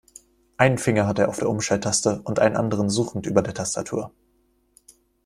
Einen Finger hat er auf der Umschalttaste und einen anderen suchend über der Tastatur.